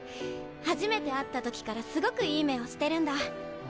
初めて会った時からすごくいい目をしてるんだ。